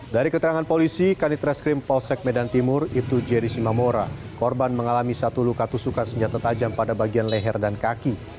dari keterangan polisi kanit reskrim polsek medan timur ibtu jeri simamora korban mengalami satu luka tusukan senjata tajam pada bagian leher dan kaki